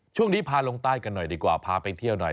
ช่วงนี้พาลงใต้กันหน่อยดีกว่าพาไปเที่ยวหน่อย